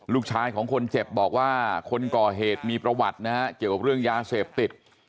ลูกชายของคนเจ็บบอกว่าคนก่อเหตุมีประวัตินะฮะเกี่ยวกับเรื่องยาเสพติด